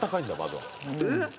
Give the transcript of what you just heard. えっ？